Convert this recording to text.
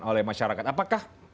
oleh masyarakat apakah